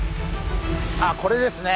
ああこれですね。